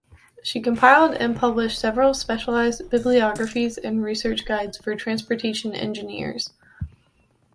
She compiled and published several specialized bibliographies and research guides for transportation engineers.